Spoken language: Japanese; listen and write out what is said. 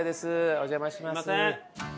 お邪魔します。